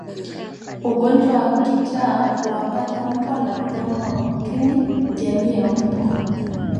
Ugonjwa wa kichaa huwapata mbwa na wanyama wa mwituni jamii ya mbwa